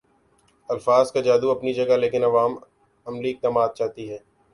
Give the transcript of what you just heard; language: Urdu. الفاظ کا جادو اپنی جگہ لیکن عوام عملی اقدامات چاہتی ہے